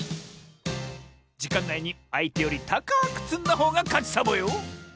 じかんないにあいてよりたかくつんだほうがかちサボよ！